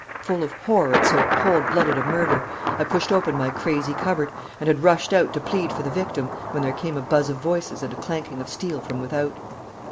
Full of horror at so cold blooded a murder, I pushed open my crazy cupboard, and had rushed out to plead for the victim, when there came a buzz of voices and a clanking of steel from without.